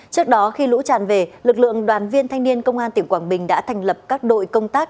trước đó khi lũ tràn về lực lượng đoàn viên thanh niên công an tỉnh quảng bình đã thành lập các đội công tác